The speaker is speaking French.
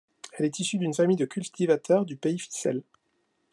Il est issu d'une famille de cultivateurs du pays Fisel.